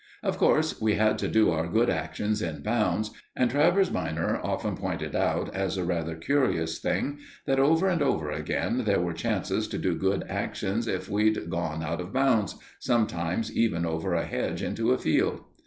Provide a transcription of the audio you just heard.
Of course, we had to do our good actions in bounds, and Travers minor often pointed out, as a rather curious thing, that over and over again there were chances to do good actions if we'd gone out of bounds sometimes even over a hedge into a field.